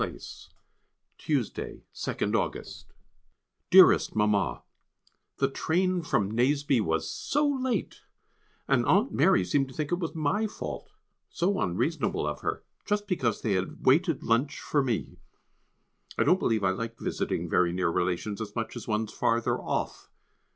[Sidenote: London out of Season] Dearest Mamma, The train from Nazeby was so late and Aunt Mary seemed to think it was my fault so unreasonable of her, just because they had waited lunch for me. I don't believe I like visiting very near relations as much as ones further off.